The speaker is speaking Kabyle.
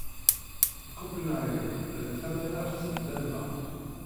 Copenhagen d tamaneɣt n Danmaṛk.